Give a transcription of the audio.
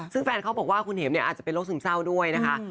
ซึ่งแฟนเขาบอกว่าคุณเห็มเนี่ยอาจจะเป็นโรคซึมเศร้าด้วยนะคะ